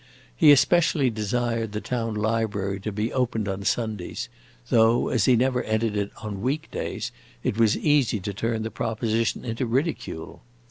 He especially desired the town library to be opened on Sundays, though, as he never entered it on week days, it was easy to turn the proposition into ridicule.